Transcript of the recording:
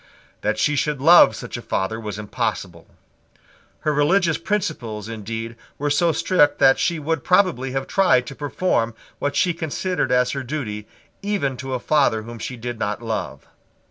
That she should love such a father was impossible. Her religious principles, indeed, were so strict that she would probably have tried to perform what she considered as her duty, even to a father whom she did not love.